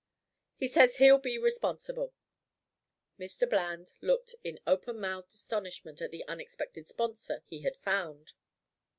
He says he'll be responsible." Mr. Bland looked in open mouthed astonishment at the unexpected sponsor he had found.